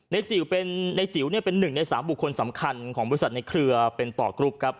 ในจิ๋วเป็นหนึ่งในสามบุคคลสำคัญของบริษัทในเครือเป็นต่อกรุ๊ป